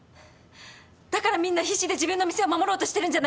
だからみんな必死で自分の店を守ろうとしてるんじゃ。